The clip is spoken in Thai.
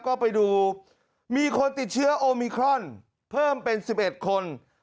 ก็ไปดูมีคนติดเชื้อโอมิครอนเพิ่มเป็น๑๑คน